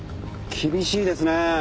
厳しいですねえ。